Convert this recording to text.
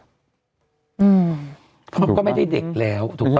เพราะก็ไม่ได้เด็กแล้วถูกต้อง